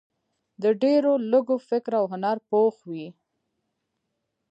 د ډېرو لږو فکر او هنر پوخ وي.